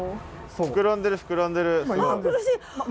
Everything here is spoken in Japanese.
膨らんでる膨らんでる。